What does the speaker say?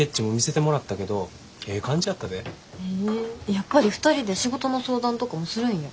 やっぱり２人で仕事の相談とかもするんや。